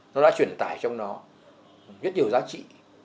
nó đã truyền tải trong nó rất nhiều giá trị